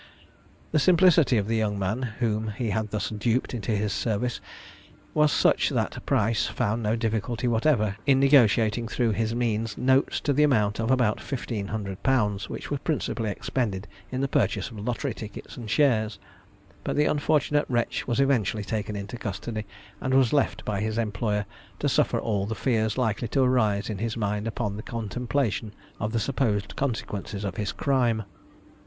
The simplicity of the young man whom he had thus duped into his service was such, that Price found no difficulty whatever in negotiating through his means notes to the amount of about fifteen hundred pounds, which were principally expended in the purchase of lottery tickets and shares; but the unfortunate wretch was eventually taken into custody, and was left by his employer to suffer all the fears likely to arise in his mind upon the contemplation of the supposed consequences of his crime.